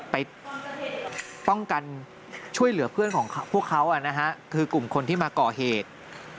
ไปป้องกันช่วยเหลือเพื่อนของพวกเขาคือกลุ่มคนที่มาก่อเหตุ